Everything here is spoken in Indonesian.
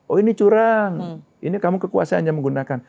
oh ini curang ini kamu kekuasaannya menggunakan